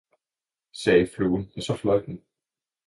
sagde fluen og så fløj den.